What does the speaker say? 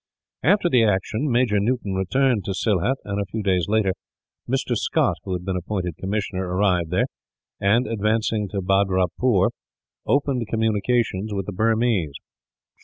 After the action Major Newton returned to Sylhet, and a few days later Mr. Scott, who had been appointed commissioner, arrived there and, advancing to Bhadrapur, opened communications with the Burmese.